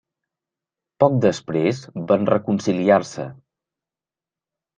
Poc després van reconciliar-se.